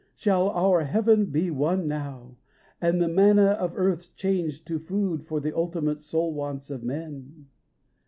shall our Heaven be won now, And the manna of earth changed to food for the ultimate soul wants of men